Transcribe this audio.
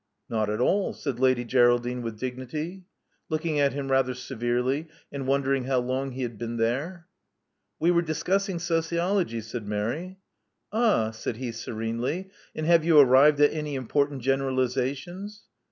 Not at all," said Lady Geraldine with dignity, looking at him rather severely, and wondering how long he had been there. *'We were discussing sociology," said Mary. Ah!" said he serenely. And have you arrived at any important generalizations?"